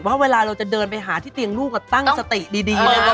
ว่าเวลาเราจะเดินไปหาที่เตียงลูกตั้งสติดีนะครับ